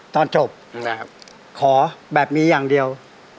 ตอนจบนะครับขอแบบนี้อย่างเดียว